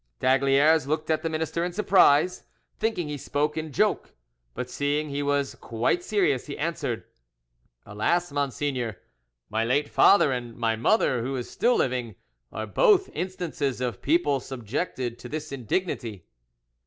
D'Aygaliers looked at the minister in surprise, thinking he spoke in joke; but seeing he was quite serious, he answered: "Alas, monseigneur, my late father and my mother, who is still living, are both instances of people subjected to this indignity."